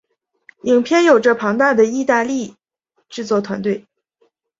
影片有着庞大的意大利制作团队。